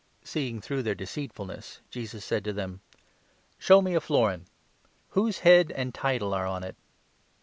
151 Seeing through their deceitfulness, Jesus said to them : 23 " Show me a florin. Whose head and title are on it?"